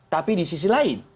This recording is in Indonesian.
tapi di sisi lain